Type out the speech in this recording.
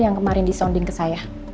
yang kemarin disonding ke saya